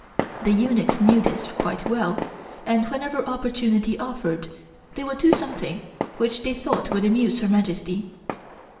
The eunuchs knew this quite well, and whenever opportunity offered, they would do something which they thought would amuse Her Majesty.